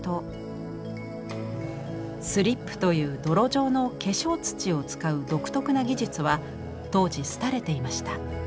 スリップという泥状の化粧土を使う独特な技術は当時廃れていました。